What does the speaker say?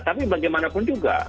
tapi bagaimanapun juga